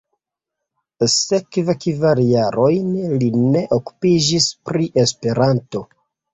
Sekve kvar jarojn li ne okupiĝis pri Esperanto.